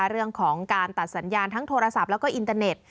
เรื่องของการตัดสัญญาณทั้งโทรศัพท์แล้วก็อินเตอร์เน็ต